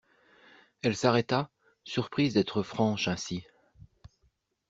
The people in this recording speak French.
Elle s'arrêta, surprise d'être franche ainsi.